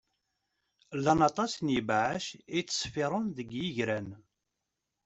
Llan aṭas n ibeɛɛac i yettṣeffiṛen deg yigran.